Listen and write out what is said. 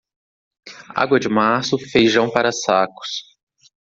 Água de março, feijão para sacos.